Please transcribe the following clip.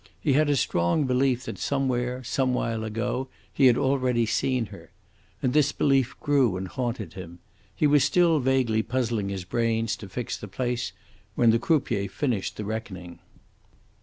He had a strong belief that somewhere, some while ago, he had already seen her. And this belief grew and haunted him. He was still vaguely puzzling his brains to fix the place when the croupier finished his reckoning.